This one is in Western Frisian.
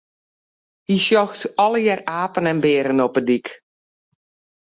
Hy sjocht allegear apen en bearen op 'e dyk.